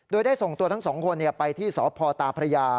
โดยได้ส่งตัวทั้ง๒คนไปที่สพตพย